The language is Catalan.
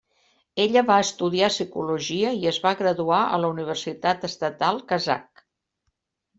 Ella va estudiar psicologia i es va graduar a la universitat estatal kazakh.